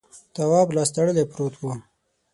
تواب لاس تړلی پروت و.